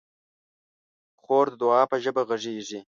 خور د دعا په ژبه غږېږي.